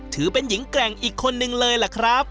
ถือเป็นหญิงแกร่งอีกคนนึงเลยล่ะครับ